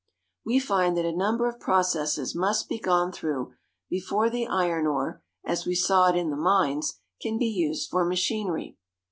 We find that a number of processes must be gone through before the iron ore, as we saw it in the mines, can be used for machinery.